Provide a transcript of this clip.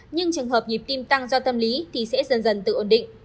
nhưng trường hợp nhịp tim tăng do tâm lý thì sẽ dần dần tự ổn định